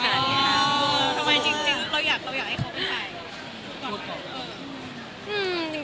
ทำไมจริงเราอยากให้เขาพูดไป